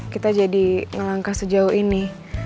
kita jadi ngelangkah sejauh ini